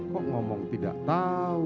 kok ngomong tidak tahu